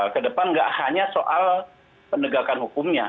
kedepan nggak hanya soal penegakan hukumnya